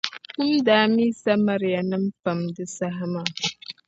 Kum daa mii Samarianim’ pam di saha maa.